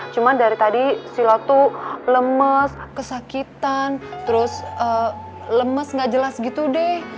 cuma dari tadi silat tuh lemes kesakitan terus lemes gak jelas gitu deh